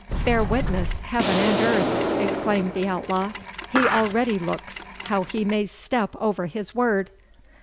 "Bear witness, heaven and earth," exclaimed the outlaw, "he already looks how he may step over his word!"